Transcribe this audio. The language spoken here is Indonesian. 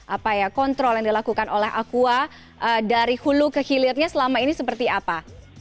apa ya kontrol yang dilakukan oleh aqua dari hulu ke hilirnya selama ini seperti apa